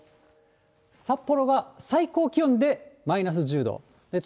札幌が最高気温でマイナス１０度。